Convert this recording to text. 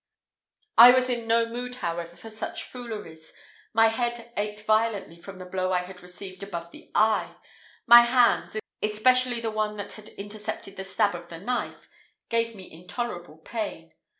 I was in no mood, however, for such fooleries; my head ached violently from the blow I had received above the eye; my hands, especially the one that had intercepted the stab of the knife, gave me intolerable pain.